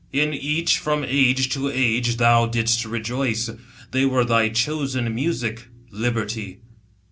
In each from age to age thou didst rejoice ; They wefe thy chosen music, Liberty."